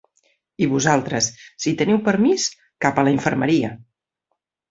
I vosaltres, si teniu permís, cap a la infermeria!